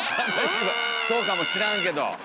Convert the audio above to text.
そうかもしらんけど。